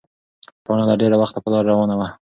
پاڼه له ډېره وخته په لاره روانه وه.